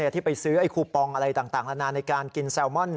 ที่ไปซื้อไอ้คูปองอะไรต่างนานาในการกินแซลมอน